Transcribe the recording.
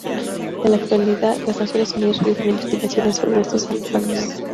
En la actualidad las Naciones Unidas realizan investigaciones sobre estos artefactos.